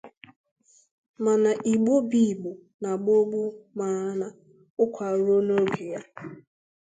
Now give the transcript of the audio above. Mana Igbo bụ Igbo na gbo gbo mara na ụkwa rue n’oge ya